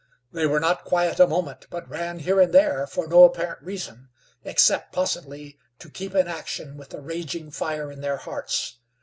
They were not quiet a moment, but ran here and there, for no apparent reason, except, possibly, to keep in action with the raging fire in their hearts.